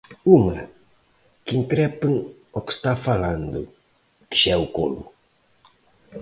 Unha, que increpen ao que está falando, que xa é o colmo.